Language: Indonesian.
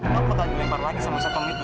kamu takut dilempar lagi sama si tom itu